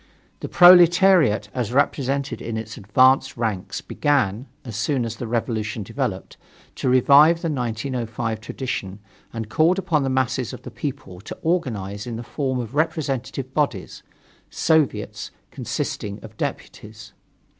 The proletariat, as represented in its advanced ranks, began, as soon as the revolution developed, to revive the 1905 tradition and called upon the masses of the people to organize in the form of representative bodies soviets, consisting of deputies.